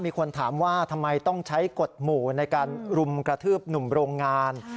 มีคนถามว่าทำไมต้องใช้กฎหมู่ในการรุมกระทืบหนุ่มโรงงาน